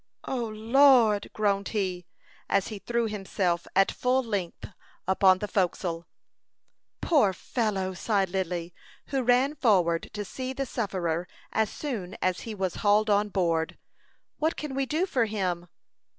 "O Lord!" groaned he, as he threw himself at full length upon the forecastle. "Poor fellow!" sighed Lily, who ran forward to see the sufferer as soon as he was hauled on board. "What can we do for him?"